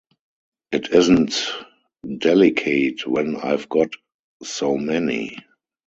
It isn’t delicate when I’ve got so many.